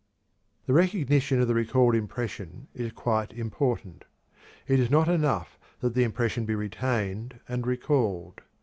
The recognition of the recalled impression is quite important. It is not enough that the impression be retained and recalled.